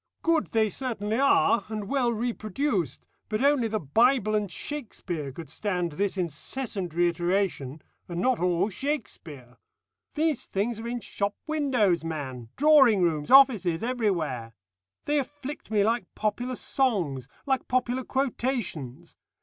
"Good they certainly are, and well reproduced, but only the Bible and Shakspeare could stand this incessant reiteration, and not all Shakspeare. These things are in shop windows, man drawing rooms, offices, everywhere. They afflict me like popular songs like popular quotations.